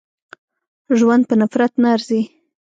ژوند په نفرت نه ارزي.